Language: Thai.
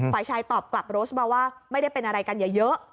ฝ่ายชายตอบกลับโรสมาว่าไม่ได้เป็นอะไรกันเยอะ